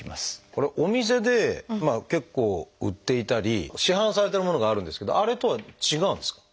これはお店で結構売っていたり市販されてるものがあるんですけどあれとは違うんですか？